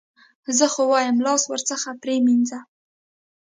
زه خو وایم لاس ورڅخه پرې مینځه.